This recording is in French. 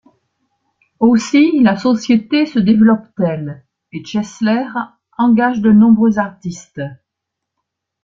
Aussi, la société se développe-t-elle et Chesler engage de nombreux artistes.